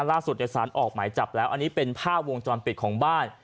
สารออกหมายจับแล้วอันนี้เป็นภาพวงจรปิดของบ้าน